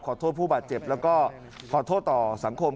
ขอโทษผู้บาดเจ็บแล้วก็ขอโทษต่อสังคม